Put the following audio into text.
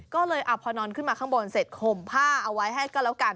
ก็เลยพอนอนขึ้นมาข้างบนเสร็จห่มผ้าเอาไว้ให้ก็แล้วกัน